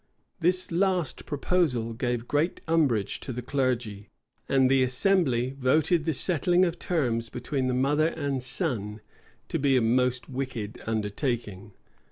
This last proposal gave great umbrage to the clergy; and the assembly voted the settling of terms between the mother and son to be a most wicked undertaking.